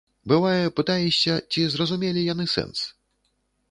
Бывае, пытаешся, ці зразумелі яны сэнс.